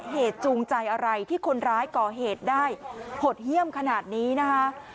เหตุจูงใจอะไรที่คนร้ายก่อเหตุได้หดเยี่ยมขนาดนี้นะคะ